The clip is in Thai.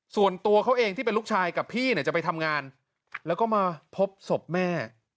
ส่วนตัวเขาเองที่เป็นลูกชายกับพี่เนี่ยจะไปทำงานแล้วก็มาพบศพแม่